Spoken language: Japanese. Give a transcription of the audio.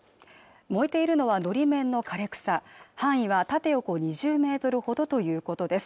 燃えているのはのり面の枯れ草範囲は縦横２０ｍほどということです